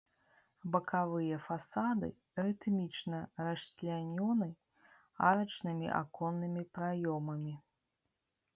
Бакавыя фасады рытмічна расчлянёны арачнымі аконнымі праёмамі.